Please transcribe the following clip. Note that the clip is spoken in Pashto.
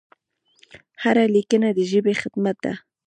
هره لیکنه د ژبې خدمت دی.